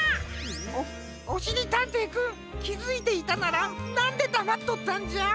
おおしりたんていくんきづいていたならなんでだまっとったんじゃ？